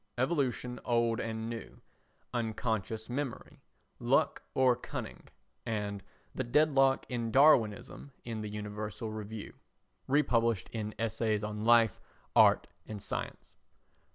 [Evolution Old and New, Unconscious Memory, Luck or Cunning? and "The Deadlock in Darwinism" in the Universal Review republished in Essays on Life, Art and Science.